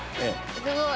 すごい。